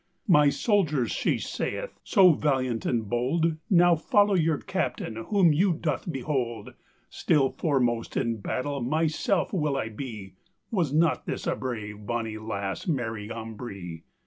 "My soldiers," she saith, "soe valliant and bold, Nowe followe your captaine, whom you doe beholde; Still formost in battell myselfe will I bee:" Was not this a brave bonny lasse, Mary Ambree?